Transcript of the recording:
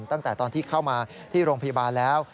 ตั้งแต่ตอนที่เข้ามาที่โรงพยาบาลแล้ว